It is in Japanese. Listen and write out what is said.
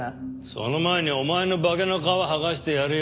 その前にお前の化けの皮剥がしてやるよ